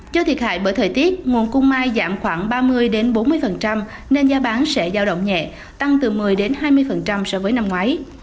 do thiệt hại bởi thời tiết nguồn cung mai giảm khoảng ba mươi bốn mươi nên giá bán sẽ giao động nhẹ tăng từ một mươi hai mươi so với năm ngoái